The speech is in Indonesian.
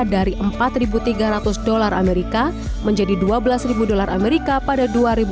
dari empat tiga ratus dolar amerika menjadi dua belas dolar amerika pada dua ribu dua puluh